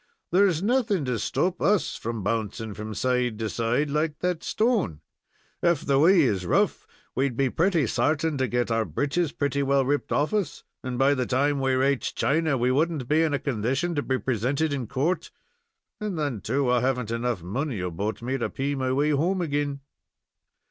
"There's nothing to stop us from bouncing from side to side like that stone. If the way is rough, we'd be pretty sartin to get our breeches pretty well ripped off us, and by the time we raiched Chiny, we wouldn't be in a condition to be presented in coort; and then, too, I haven't enough money about me to pay my way home again."